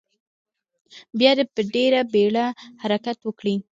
بیا دې په ډیره بیړه حرکت وکړي.